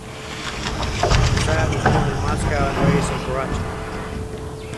Syed was born in Moscow and raised in Karachi.